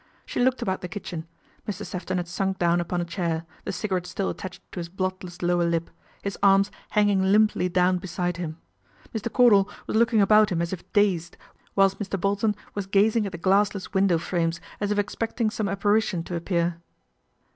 She looked about the kitchen. Mr. Sefton had sunk down upon a chair, the cigarette still attached to his bloodless lower lip, his arms hanging limply down beside him. Mr. Cordal was looking about him as if dazed, whilst Mr. Bolton was gazing at the glassless window frames, as if expecting some apparition to appear.